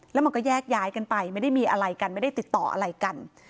แล้วมันก็แยกย้ายกันไปไม่ได้มีอะไรกันไม่ได้ติดต่ออะไรกัน